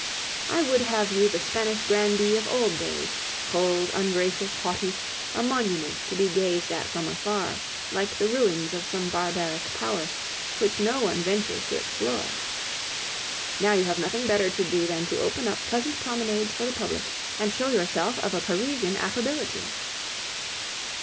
I would have you the Spanish grandee of old days, cold, ungracious, haughty, a monument to be gazed at from afar, like the ruins of some barbaric power, which no one ventures to explore. Now, you have nothing better to do than to open up pleasant promenades for the public, and show yourself of a Parisian affability!